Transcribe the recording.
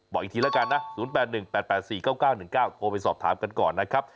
บอกอีกทีแล้วกันนะ๐๘๑๘๘๔๙๙๑๙โทรไปสอบถามกันก่อนนะครับ